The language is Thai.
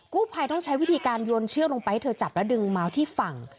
กู้ภัยต้องใช้วิธีการโยนเชือกลงไปให้เธอจับแล้วดึงมาที่ฝั่ง